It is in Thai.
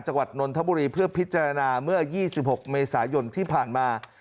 นนทบุรีเพื่อพิจารณาเมื่อ๒๖เมษายนที่ผ่านมา